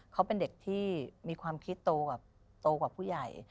เขาเป็นเด็กที่มีความคิดโตกว่าผู้ใหญ่